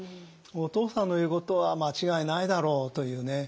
お父さんの言うことは間違いないだろうというね。